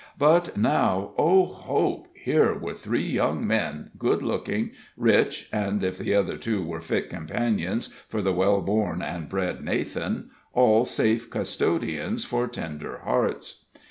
But now oh, hope! here were three young men, good looking, rich, and if the other two were fit companions for the well born and bred Nathan all safe custodians for tender hearts.